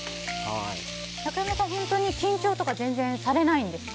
中山さん、本当に緊張とか全然されないんですか？